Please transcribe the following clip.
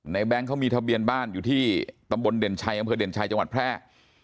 แบงค์เขามีทะเบียนบ้านอยู่ที่ตำบลเด่นชัยอำเภอเด่นชัยจังหวัดแพร่